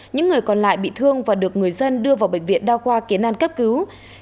những người còn lại bị thương và được người dân đưa vào bệnh viện đa khoa kiến an cấp cứu